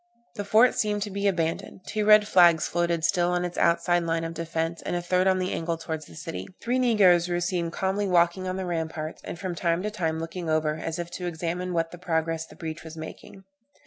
The fort seemed to be abandoned; two red flags floated still on its outside line of defence, and a third on the angle towards the city. Three negroes were seen calmly walking on the ramparts, and from time to time looking over, as if to examine what progress the breach was making.